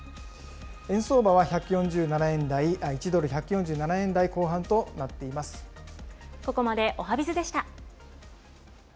円相場は１ドル１４７円台後半とここまでおはＢｉｚでした。